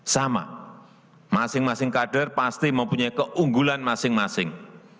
sama masing masing kader pasti mempunyai keunggulan masing masing